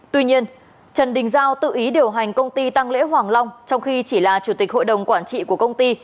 tuy nhiên trần đình giao tự ý điều hành công ty tăng lễ hoàng long trong khi chỉ là chủ tịch hội đồng quản trị của công ty